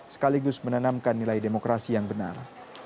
sekaligus menanamkan nilai demokrasi yang benar